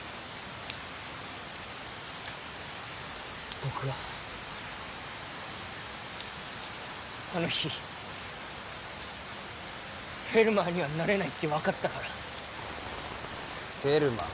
僕はあの日フェルマーにはなれないって分かったからフェルマー？